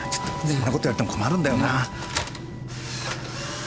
そんなこと言われても困るんだよな。